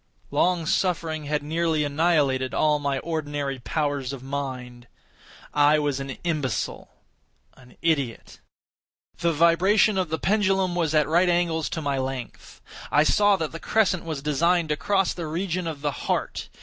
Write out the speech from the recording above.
Long suffering had nearly annihilated all my ordinary powers of mind. I was an imbecile—an idiot. The vibration of the pendulum was at right angles to my length. I saw that the crescent was designed to cross the region of the heart.